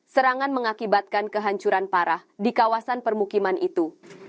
serangan mengakibatkan kehancuran parah di kawasan permukiman itu